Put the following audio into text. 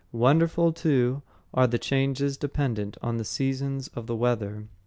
Wonderful, too, are the changes dependent on the seasons and the weather.